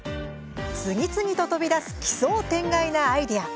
次々と飛び出す奇想天外なアイデア。